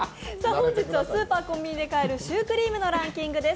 本日はスーパー・コンビニで買えるシュークリームのランキングです。